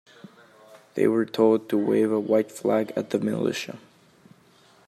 They were told to wave a white flag at the militia.